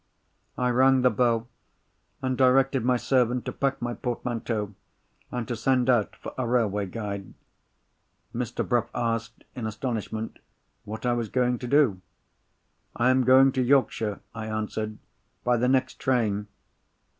I rang the bell, and directed my servant to pack my portmanteau, and to send out for a railway guide. Mr. Bruff asked, in astonishment, what I was going to do. "I am going to Yorkshire," I answered, "by the next train."